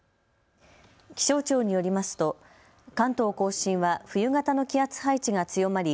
気象庁によりますと関東甲信は冬型の気圧配置が強まり